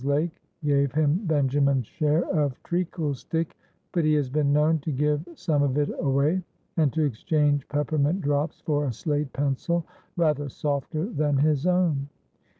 Lake gave him Benjamin's share of treacle stick, but he has been known to give some of it away, and to exchange peppermint drops for a slate pencil rather softer than his own.